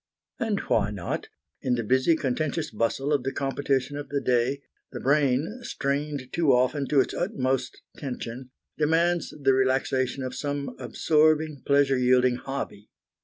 And why not? In the busy, contentious bustle of the competition of the day, the brain, strained too often to its utmost tension, demands the relaxation of some absorbing, pleasure yielding hobby.